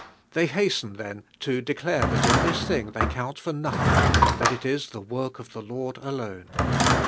Hiey hasten, then, to declare that in this thing they 'count for nothing, that it is the work of the Lord alone.